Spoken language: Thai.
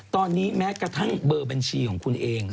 ตอนนี้แม้กระทั่งเบอร์บัญชีของคุณเอง